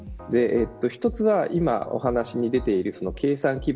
一つは今お話に出ている計算基盤。